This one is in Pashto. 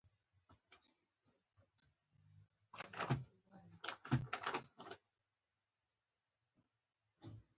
انساني سرچیني باید سم مدیریت شي.